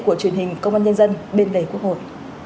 của truyền hình công an nhân dân bên lề quốc hội